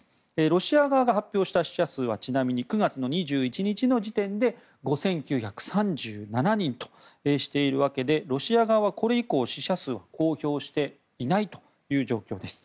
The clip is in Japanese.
ロシア側が発表した死者数はちなみに９月２１日の時点で５９３７人としているわけでロシア側はこれ以降、死者数は公表していないという状況です。